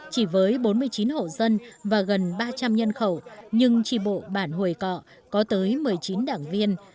chỉ với bốn mươi chín hộ dân và gần ba trăm linh nhân khẩu nhưng tri bộ bản hồi cọ có tới một mươi chín đảng viên